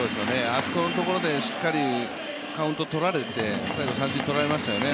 あそこのところでしっかりカウントを取られて最後、三振取られましたよね。